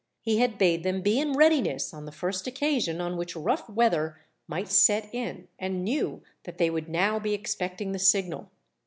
He had bade them be in readiness on the first occasion on which rough weather might set in, and knew that they would now be expecting the signal.